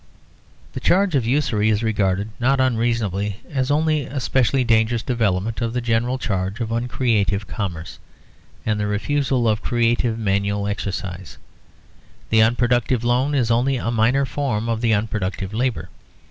The charge of usury is regarded, not unreasonably, as only a specially dangerous development of the general charge of uncreative commerce and the refusal of creative manual exercise; the unproductive loan is only a minor form of the unproductive labour.